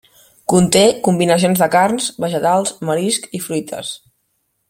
Conté combinacions de carns, vegetals, mariscs i fruites.